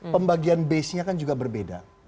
pembagian basenya kan juga berbeda